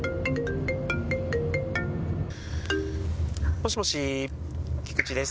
もしもし、菊池です。